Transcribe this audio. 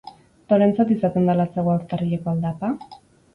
Norentzat izaten da latzagoa urtarrileko aldapa?